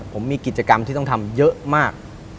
ผมมีกิจกรรมที่ต้องทำเยอะมาก